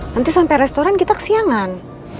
nanti sampai restoran kita ke siangan